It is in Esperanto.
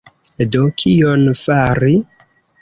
Do, kion fari?